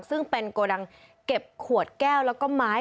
ซึ่งเป็นโกดังเก็บขวดแก้วแล้วก็ไม้